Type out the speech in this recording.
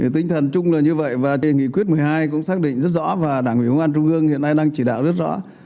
tinh thần chung là như vậy và nghị quyết một mươi hai cũng xác định rất rõ và đảng ủy công an trung ương hiện nay đang chỉ đạo rất rõ